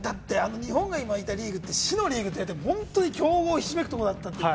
日本がいたリーグって死のリーグと言われて、強豪ひしめくところだったんで。